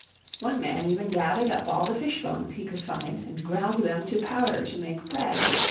One man even gathered up all the fish bones he could find and ground them to powder to make bread.